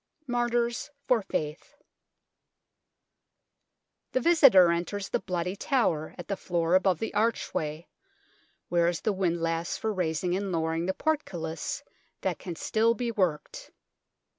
MARTYRS FOR FAITH The visitor enters the Bloody Tower at the floor above the archway, where is the wind lass for raising and lowering the portcullis that can still be worked.